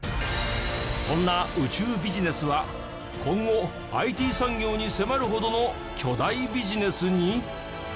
そんな宇宙ビジネスは今後ＩＴ産業に迫るほどの巨大ビジネスに！？